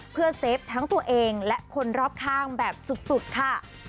เพื่อเซฟทั้งตัวเองและคนรอบข้างแบบสุดค่ะ